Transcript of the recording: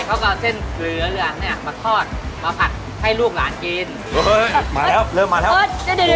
เขาก็เอาเส้นเหลือเนี่ยมาทอดมาผัดให้ลูกหลานกิน